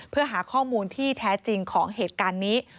เพื่อหาข้อมูลที่แท้จริงของเหตุการณ์นี้